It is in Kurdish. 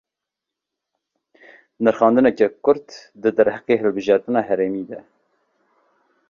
Nirxandineke kurt, di derheqê hilbijartina herêmî de